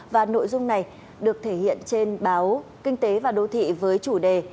và nội dung này được thể hiện trên báo kinh tế và đô thị với chủ đề